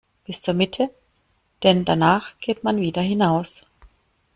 Bis zur Mitte, denn danach geht man wieder hinaus.